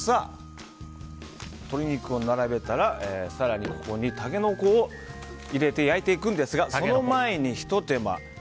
鶏肉を並べたら更にここにタケノコを入れて焼いてくんですがその前にひと手間。